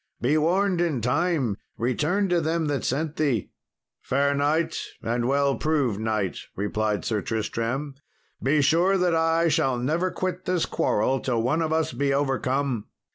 Be warned in time, return to them that sent thee." "Fair knight, and well proved knight," replied Sir Tristram, "be sure that I shall never quit this quarrel till one of us be overcome.